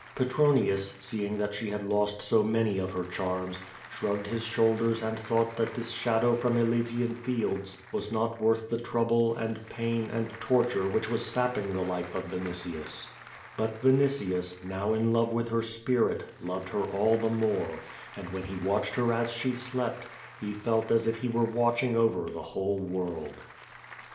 Pe troniiis, seeing that she had lost so many of her charms, shrugged his shoulders and thought that this shadow from Elysian fields was not worth the trouble, and pain, and tor ture which was sapping the life of Vinitius, but Vinitius, now in love with her sj)irit, loved her all the more, and when he Matched her as she slept, he felt as if he were watching over the whold world.